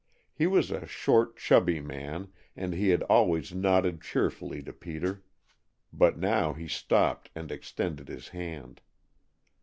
He was a short, chubby man, and he had always nodded cheerfully to Peter, but now he stopped and extended his hand.